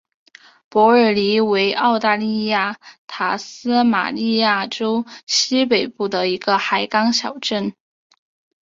伯尔尼为澳大利亚塔斯马尼亚州西北部的一个海港小镇。